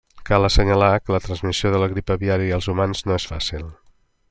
Cal assenyalar que la transmissió de la grip aviària als humans no és fàcil.